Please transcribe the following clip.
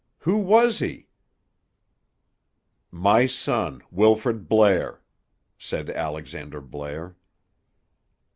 Who was he?" "My son, Wilfrid Blair," said Alexander Blair.